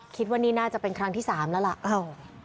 คิดว่านี่น่าจะเป็นครั้งที่๓แล้วล่ะ